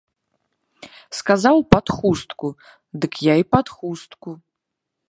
Сказаў пад хустку, дык я і пад хустку.